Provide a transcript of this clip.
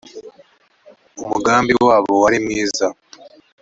umugambi wabo wari mwiza